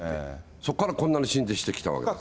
そこからこんなに進展してきたわけですから。